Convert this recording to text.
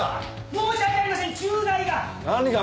申し訳ありません駐在が。